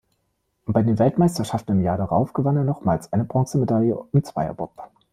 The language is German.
Bei den Weltmeisterschaften im Jahr darauf gewann er nochmals eine Bronzemedaille im Zweierbob.